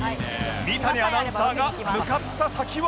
三谷アナウンサーが向かった先は